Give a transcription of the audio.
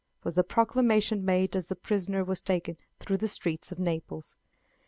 was the proclamation made as the prisoner was taken through the streets of Naples.